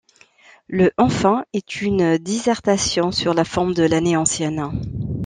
Le enfin est une dissertation sur la forme de l’année ancienne.